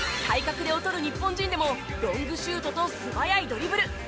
体格で劣る日本人でもロングシュートと素早いドリブル